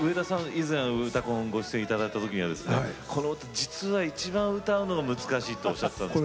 以前「うたコン」にご出演いただいた時にはこの曲は実はいちばん歌うのが難しいとおっしゃっていました。